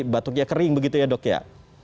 batuknya kering begitu ya dok ya